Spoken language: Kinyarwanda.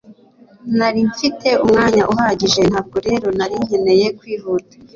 nari mfite umwanya uhagije, ntabwo rero nari nkeneye kwihuta